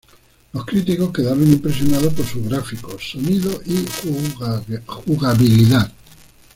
Los críticos quedaron impresionados por sus gráficos, sonido y jugabilidad.